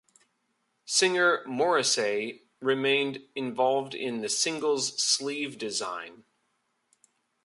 Singer Morrissey remained involved in the singles' sleeve design.